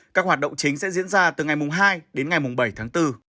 các hoạt động chính sẽ diễn ra từ ngày mùng hai đến ngày mùng bảy tháng bốn